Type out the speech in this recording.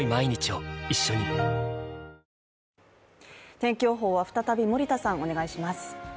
天気予報は、再び森田さん、お願いします。